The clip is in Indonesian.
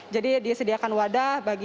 jadi disediakan wadah bagi